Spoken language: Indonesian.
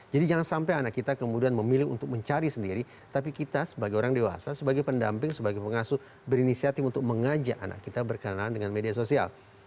jadi jangan sampai anak kita kemudian memilih untuk mencari sendiri tapi kita sebagai orang dewasa sebagai pendamping sebagai pengasuh berinisiatif untuk mengajak anak kita berkenalan dengan media sosial